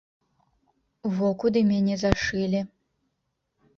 Во куды мяне зашылі.